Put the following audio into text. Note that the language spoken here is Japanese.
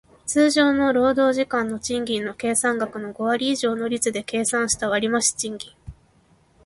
通常の労働時間の賃金の計算額の五割以上の率で計算した割増賃金